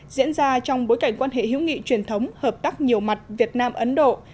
diễn ra trong bối cảnh quan hệ hữu nghị truyền thống hợp tác nhiều mặt việt nam ấn độ